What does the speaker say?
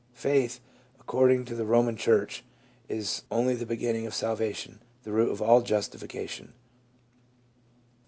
Faith, ac cording to the Eoman church, is only the beginning of salva tion, the root of all justification.